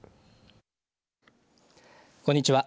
こんにちは。